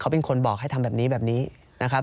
เขาเป็นคนบอกให้ทำแบบนี้นะครับ